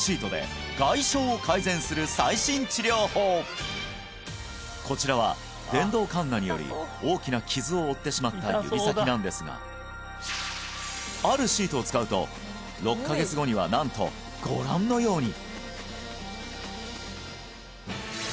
続いてはこちらは電動カンナにより大きな傷を負ってしまった指先なんですがあるシートを使うと６カ月後にはなんとご覧のように！